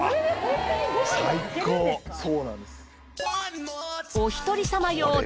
そうなんです。